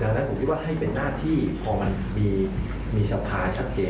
ดังนั้นผมคิดว่าให้เป็นหน้าที่พอมันมีสภาชัดเจน